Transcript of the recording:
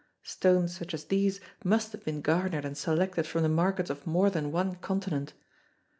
Stones such as these must have been garnered and selected from the markets of more than one continent.